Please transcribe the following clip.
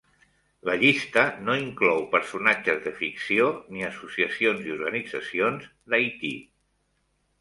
La llista no inclou personatges de ficció ni associacions i organitzacions d'Haití.